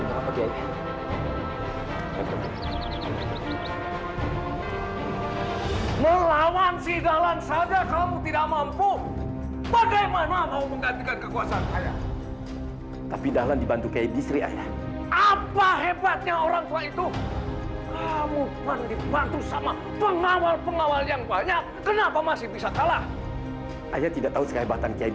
sampai jumpa di video selanjutnya